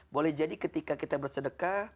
boleh jadi ketika kita bersedekah